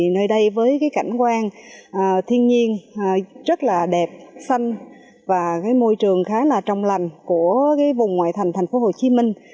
nơi đây với cảnh quan thiên nhiên rất đẹp xanh và môi trường khá là trong lành của vùng ngoại thành thành phố hồ chí minh